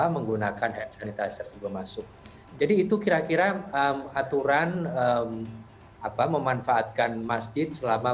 menggunakan hand sanitizer sebelum masuk jadi itu kira kira aturan apa memanfaatkan masjid selama